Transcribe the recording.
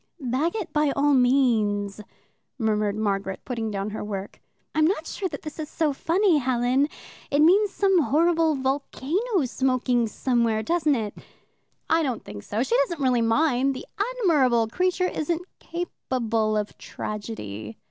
"Bag it by all means," murmured Margaret, putting down her work. "I'm not sure that this is so funny, Helen. It means some horrible volcano smoking somewhere, doesn't it?" "I don't think so she doesn't really mind. The admirable creature isn't capable of tragedy."